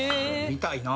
見たいなあ。